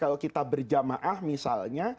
kalau kita berjamaah misalnya